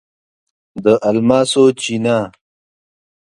د الماسو چینه